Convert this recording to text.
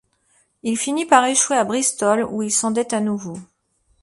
Il finit par échouer à Bristol où il s'endette à nouveau.